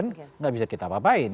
tidak bisa kita apa apain